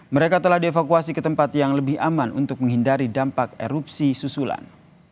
mereka telah dievakuasi ke tempat yang lebih aman untuk menghindari dampak erupsi susulan